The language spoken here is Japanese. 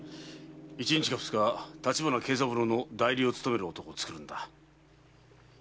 一日か二日立花慶三郎の代理を務める男をつくるのだ。